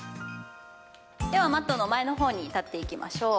ではマットの前のほうに立っていきましょう。